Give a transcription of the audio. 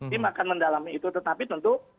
tim akan mendalami itu tetapi tentu